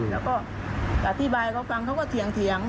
แล้วก็อธิบายเขาฟังเขาก็เถียง